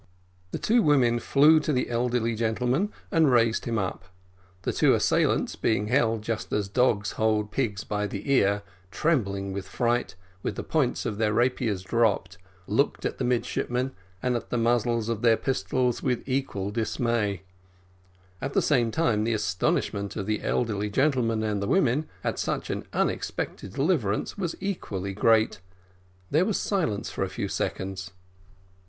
The two women flew to the elderly gentleman and raised him up; the two assailants being held just as dogs hold pigs by the ear, trembling with fright, with the points of their rapiers dropped, looked at the midshipmen and the muzzles of their pistols with equal dismay; at the same time, the astonishment of the elderly gentleman and the women, at such an unexpected deliverance, was equally great. There was a silence for a few seconds.